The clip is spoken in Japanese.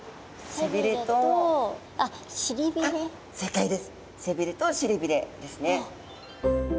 背びれとしりびれですね。